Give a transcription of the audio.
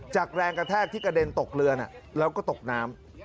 แรงกระแทกที่กระเด็นตกเรือแล้วก็ตกน้ำ